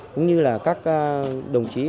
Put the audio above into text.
cũng như là các đồng chí